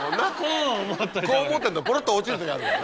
こう持ってるとポロっと落ちる時あるからね。